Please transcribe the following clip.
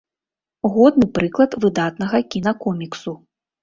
Годны прыклад выдатнага кінакоміксу.